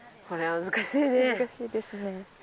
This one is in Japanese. これは難しいね。